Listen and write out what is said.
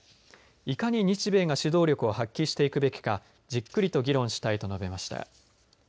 いかに日米が指導力を発揮していくべきかじっくりと議論したいと述べました。